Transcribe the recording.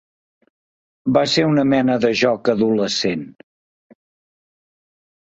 Va ser una mena de joc adolescent.